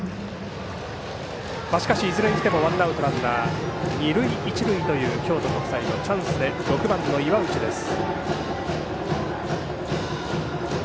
しかしいずれにしてもワンアウト、ランナー二塁一塁という京都国際のチャンスで６番の岩内です。